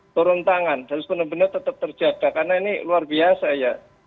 turun tangan harus benar benar tetap terjaga karena ini luar biasa ya